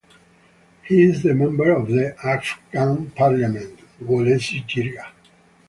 He is the Member of the Afghan Parliament (Wolesi Jirga).